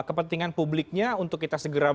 kepentingan publiknya untuk kita segera